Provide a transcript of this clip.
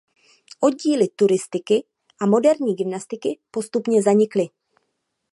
Oddíly turistiky a moderní gymnastiky postupně zanikly.